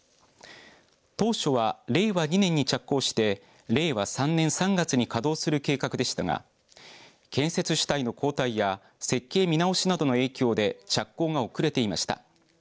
当初は令和２年に着工して令和３年３月に稼働する計画でしたが建設主体の交代や設計見直しなどの影響で着工が遅れていました。